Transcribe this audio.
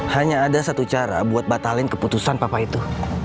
hanya ada satu cara buat batalin keputusan papa itu